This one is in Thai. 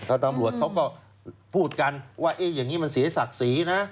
ถ้าตำรวจเขาก็พูดกันว่าอย่างนี้มันเสียศักดิ์ศรีนะ